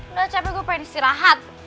nggak capek gue pengen istirahat